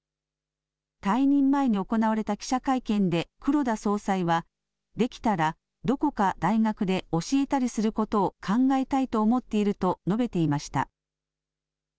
退任前に行われた記者会見で黒田総裁はできたらどこか大学で教えたりすることを考えたいと思っていると述べていました。